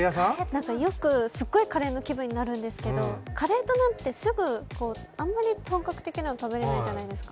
よく、すっごいカレーの気分になるんですけどカレーとナンって、あんまり本格的なの食べれないじゃないですか。